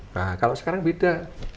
nah kalau sekarang beda